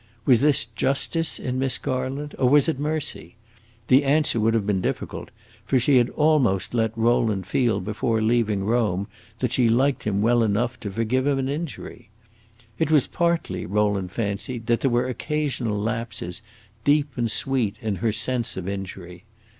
Was this justice, in Miss Garland, or was it mercy? The answer would have been difficult, for she had almost let Rowland feel before leaving Rome that she liked him well enough to forgive him an injury. It was partly, Rowland fancied, that there were occasional lapses, deep and sweet, in her sense of injury.